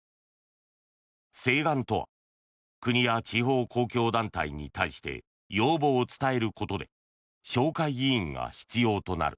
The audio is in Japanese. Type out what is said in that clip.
請願とは国や地方公共団体に対して要望を伝えることで紹介議員が必要となる。